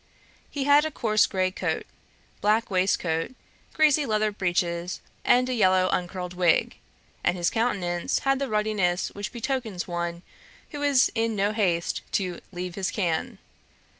He had a coarse grey coat, black waistcoat, greasy leather breeches, and a yellow uncurled wig; and his countenance had the ruddiness which betokens one who is in no haste to 'leave his can.'